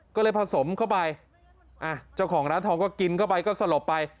ก็เลยผสมเข้าไปเจ้าของร้านทองก็กินเข้าไปก็สลบไป